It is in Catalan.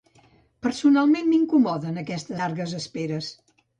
Personalment m’incomoden aquestes llargues esperes.